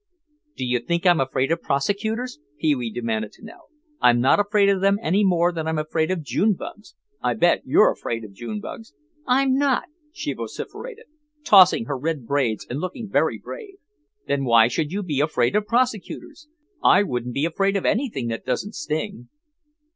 "Do you think I'm afraid of prosecutors?" Pee wee demanded to know. "I'm not afraid of them any more than I'm afraid of June bugs; I bet you're afraid of June bugs." "I'm not," she vociferated, tossing her red braids and looking very brave. "Then why should you be afraid of prosecutors? I wouldn't be afraid of anything that doesn't sting."